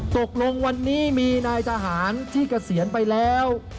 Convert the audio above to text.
ตกลงวันนี้มีนายทหารที่เกษียณไปแล้ว